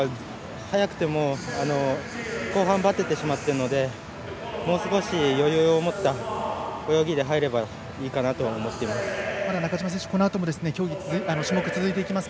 速くても後半ばててしまってるのでもう少し余裕を持った泳ぎで入ればいいかなと思っています。